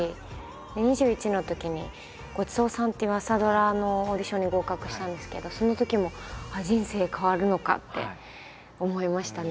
２１のときに「ごちそうさん」っていう朝ドラのオーディションに合格したんですけどそのときもああ人生変わるのかって思いましたね。